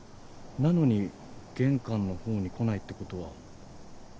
なのに玄関のほうに来ないってことは。